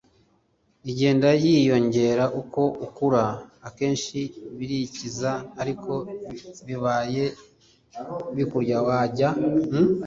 igenda yiyongera uko ukura. akenshi birikiza ariko bibaye bikurya wajya